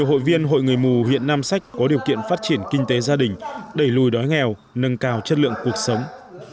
hội viên hội người mù huyện nam sách có điều kiện phát triển kinh tế gia đình đẩy lùi đói nghèo nâng cao chất lượng cuộc sống